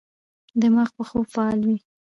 دماغ په خوب فعال وي.